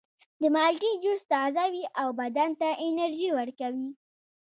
د مالټې جوس تازه وي او بدن ته انرژي ورکوي.